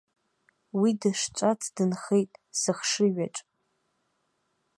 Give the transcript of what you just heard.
Уи дышҿац дынхеит сыхшыҩаҿ.